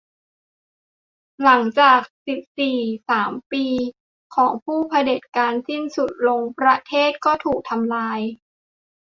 หลังจากกฎสี่สิบสามปีของผู้เผด็จการสิ้นสุดลง ประเทศก็ถูกทำลาย